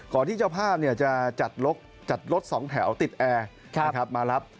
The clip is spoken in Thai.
ก่อนที่เจ้าภาพจะจัดรถ๒แถวติดแอร์นะครับมารับ